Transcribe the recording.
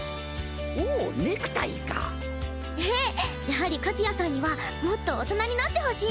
やはり和也さんにはもっと大人になってほしいので。